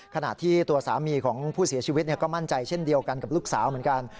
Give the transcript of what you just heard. ขณะที่ตัวสามีของผู้เสียชีวิตก็มั่นใจเช่นเดียวกันกับลูกสาวเหมือนกัน